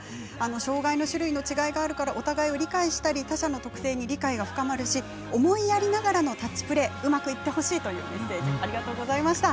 障がいの種類の違いがあるからお互いを理解したり他者の特性に理解が深まるし思いやりながらのタッチプレーうまくいってほしいというメッセージありがとうございました。